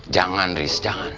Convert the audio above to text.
jangan riz jangan